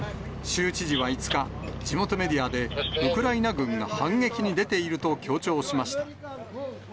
州知事は５日、地元メディアでウクライナ軍が反撃に出ていると強調しました。